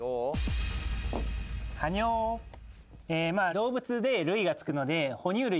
動物で「類」がつくので哺乳類。